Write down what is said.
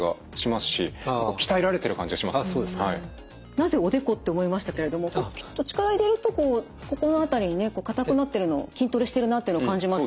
なぜおでこって思いましたけれどもキュッと力入れるとこうここの辺りにね硬くなってるの筋トレしてるなっていうの感じます。